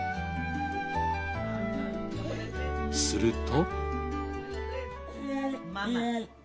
すると。